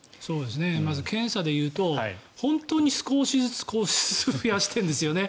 まず、検査でいうと本当に少しずつ少しずつ増やしているんですよね。